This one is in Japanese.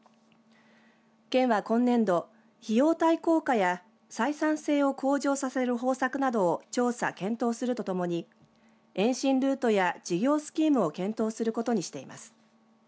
県は今年度、費用対効果や採算性を向上させる方策などを調査、検討するとともに延伸ルートや事業スキームを検討することにしています。